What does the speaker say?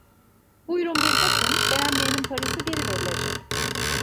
Buyurun, bir bakın, beğenmeyenin parası geri verilecek.